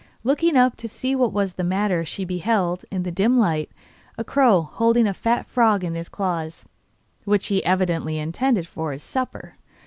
Looking up to see what was the matter she beheld, in the dim light, a crow holding a fat frog in his claws, which he evidently intended for his supper.